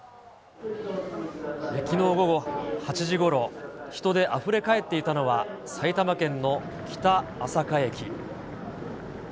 きのう午後８時ごろ、人であふれ返っていたのは、埼玉県の北朝霞駅。